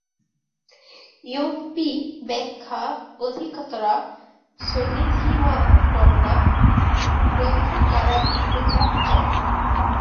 ইয়মপি ব্যাখ্যা অধিকতরা সন্নিধিমাপন্না গ্রন্থকারাভিপ্রেতা চ।